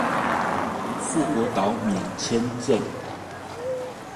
富國島免簽證